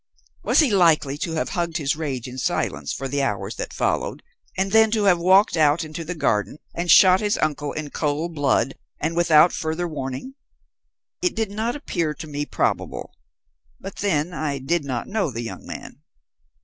Was he likely to have hugged his rage in silence for the hours that followed, and then to have walked out into the garden and shot his uncle in cold blood and without further warning? It did not appear to me probable, but then I did not know the young man.